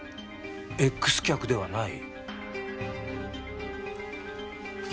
Ｘ脚ではない？